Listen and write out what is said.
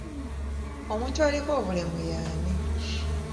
Omuntu aliko obulemu y'ani?